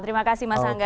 terima kasih mas angga